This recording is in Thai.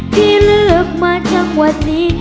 ที่เลือกมาจังหวัดนี้